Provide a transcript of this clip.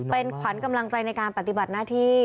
เป็นขวัญกำลังใจในการปฏิบัติหน้าที่